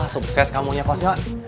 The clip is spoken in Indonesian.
sukses kamu ya kosnya